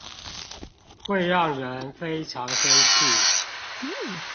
會讓人非常生氣